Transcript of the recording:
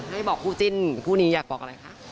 ให้บอกคู่จิ้นคู่นี้อยากบอกอะไรคะ